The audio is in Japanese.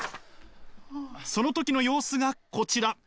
その時の様子がこちら。